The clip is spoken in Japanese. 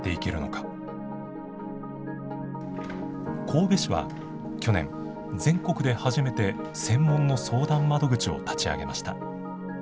神戸市は去年全国で初めて専門の相談窓口を立ち上げました。